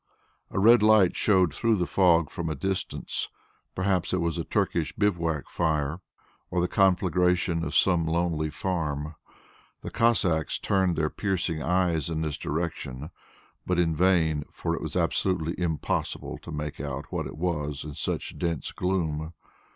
A red light showed through the fog from a distance; perhaps it was a Turkish bivouac fire or the conflagration of some lonely farm. The Cossacks turned their piercing eyes in this direction, but in vain, for it was absolutely impossible to make out what it was in such dense gloom.